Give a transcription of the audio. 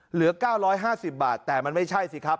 เหลือ๙๕๐บาทแต่มันไม่ใช่สิครับ